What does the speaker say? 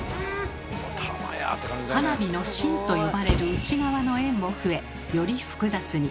花火の「芯」と呼ばれる内側の円も増えより複雑に。